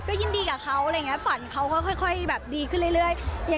ก็ยินดีกับเขาฝันเขาค่อยก็ดีขึ้นเรื่อย